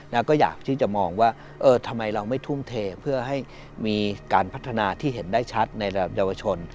แล้วก็อยากที่จะมองว่าเออทำไมเราไม่ทุ่มเทเพื่อให้มีการพัฒนาที่เห็นได้ชัดในระดับเยาวชน